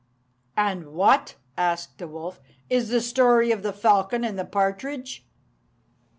"And what," asked the wolf, "is the story of the falcon and the partridge?"